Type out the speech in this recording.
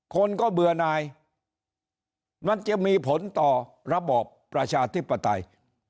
คนก็เบื่อนายมันจะมีผลต่อระบอบประชาธิปไตย